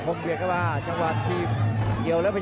อ้าวครับขวาจิบลำโกนแล้วตกด้วยฮุกซาย